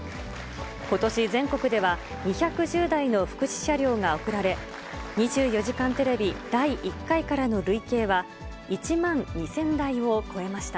ことし全国では２１０台の福祉車両が贈られ、２４時間テレビ第１回からの累計は、１万２０００台を超えました。